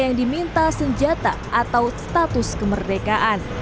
ya kita tunggu saja